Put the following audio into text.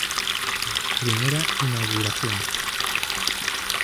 I Inauguración.